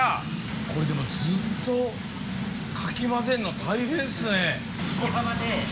これでもずっとかき混ぜるの大変ですね。